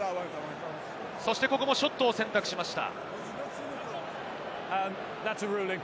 そして、ここもショットを選択しました。